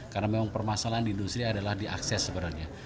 karena memang permasalahan di industri adalah diakses sebenarnya